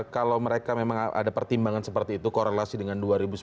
kalau mereka memang ada pertimbangan seperti itu korelasi dengan dua ribu sembilan belas